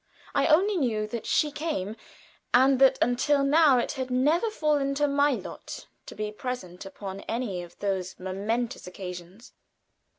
I only knew that she came, and that until now it had never fallen to my lot to be present upon any of those momentous occasions.